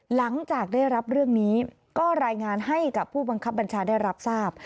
หลังจากได้รับเรื่องนี้ก็รายงานให้กับผู้บังคับบัญชาได้รับทราบ